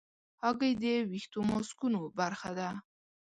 هګۍ د ویښتو ماسکونو برخه ده.